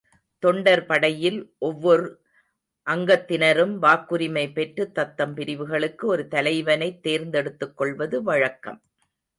தொண்டர் படையில் ஒவ்வொர் அங்கத்தினரும் வாக்குரிமை பெற்றுத்தத்தம் பிரிவுகளுக்கு ஒரு தலைவனைத் தேர்ந்தெடுத்துக்கொள்வது வழக்கம்.